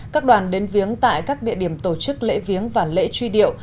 các đoàn đến viếng tại các địa điểm tổ chức lễ viếng và lễ truy điệu